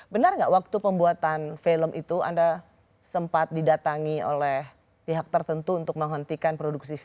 benar nggak waktu pembuatan film itu anda sempat didatangi oleh pihak tertentu untuk menghentikan produksi film